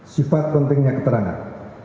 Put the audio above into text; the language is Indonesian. sifat pentingnya keterangan